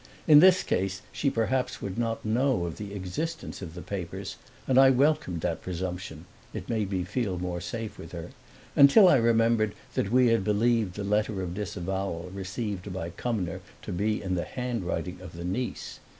In this case she perhaps would not know of the existence of the papers, and I welcomed that presumption it made me feel more safe with her until I remembered that we had believed the letter of disavowal received by Cumnor to be in the handwriting of the niece.